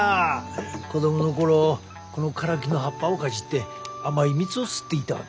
子供の頃このカラキの葉っぱをかじって甘い蜜を吸っていたわけ。